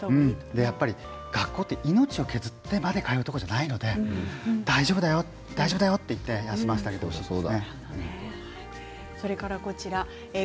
学校は命を削ってまで通うところではないので大丈夫だよと言って休ませてあげてほしいです。